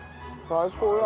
最高だ。